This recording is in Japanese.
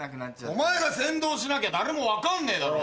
お前が先導しなきゃ誰も分かんねえだろ。